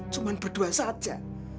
cuman berdua saja